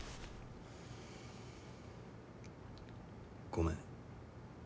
ごめん。